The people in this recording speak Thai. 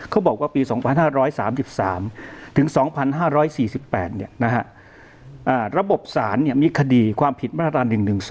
เขาบอกว่าปี๒๕๓๓ถึง๒๕๔๘ระบบสารมีคดีความผิดมาตรา๑๑๒